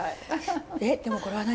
えっでもこれは何？